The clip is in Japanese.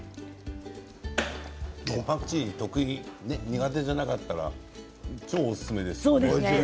パクチー苦手じゃなかったら超おすすめですね。